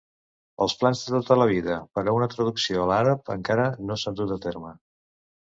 Els plans de tota la vida per a una traducció a l'àrab encara no s'han dut a terme.